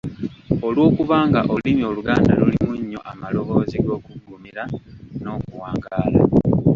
Olw'okuba nga olulimi Oluganda lulimu nnyo amaloboozi g'okuggumira n'okuwangaala.